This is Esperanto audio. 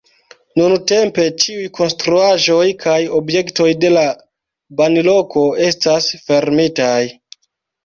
Nuntempe ĉiuj konstruaĵoj kaj objektoj de la banloko estas fermitaj.